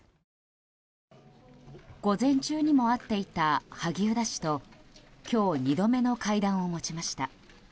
午前中にも会っていた萩生田氏と今日２度目の会談を持ちました。